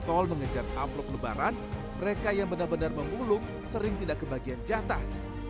karena musiman ini lebih getol mengejar amplop lebaran mereka yang benar benar memulung sering tidak kebagian jatah